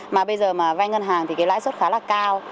mà bây giờ mà vay ngân hàng thì cái lãi suất khá là cao